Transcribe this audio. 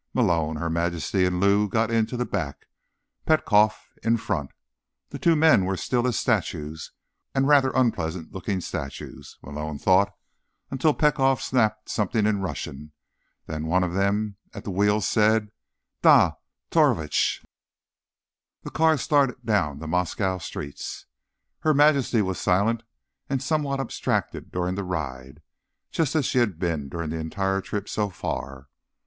Malone, Her Majesty and Lou got into the back, Petkoff in front. The two men were as still as statues—and rather unpleasant looking statues, Malone thought—until Petkoff snapped something in Russian. Then one of them, at the wheel, said: "Da, Tovarishch." The car started down the Moscow streets. Her Majesty was silent and somewhat abstracted during the ride, just as she had been during the entire trip so far.